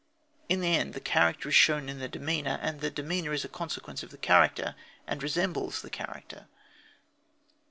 In the end the character is shown in the demeanour; and the demeanour is a consequence of the character and resembles the character.